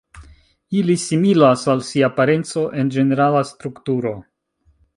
Ili similas al sia parenco en ĝenerala strukturo.